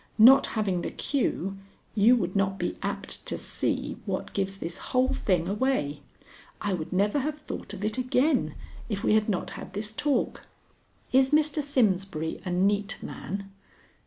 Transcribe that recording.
"Not having the cue, you would not be apt to see what gives this whole thing away. I would never have thought of it again if we had not had this talk. Is Mr. Simsbury a neat man?"